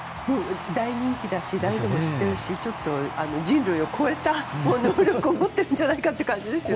大人気だし誰でも知っているしちょっと人類を超えた能力を持っている感じですね。